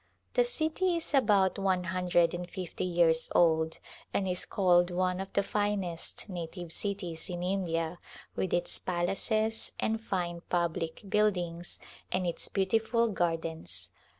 The city is about one hundred and fifty years old and is called one of the finest native cities in India, with its palaces and fine public buildings and its beautiful gardens.